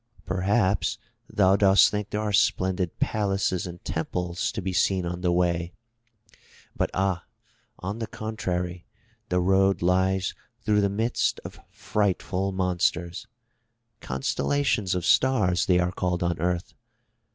" Perhaps thou dost think there are splendid palaces and temples to be seen on the way, but ah ! on the contrary, the road lies through the midst of frightful monsters — constellations of stars they are called on Earth.